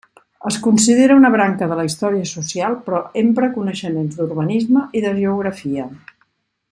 Es considera una branca de la història social però empra coneixements d'urbanisme i de geografia.